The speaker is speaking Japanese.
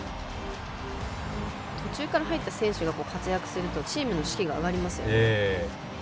途中から入った選手が活躍するとチームの士気が変わりますよね。